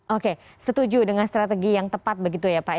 oke setuju dengan strategi yang tepat begitu ya pak